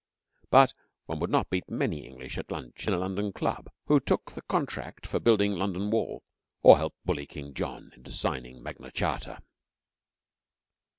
But one would not meet many English at a lunch in a London club who took the contract for building London Wall or helped bully King John into signing Magna Charta.